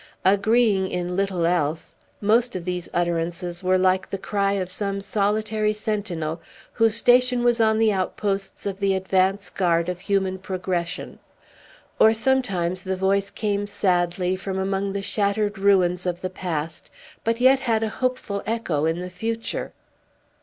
Agreeing in little else, most of these utterances were like the cry of some solitary sentinel, whose station was on the outposts of the advance guard of human progression; or sometimes the voice came sadly from among the shattered ruins of the past, but yet had a hopeful echo in the future.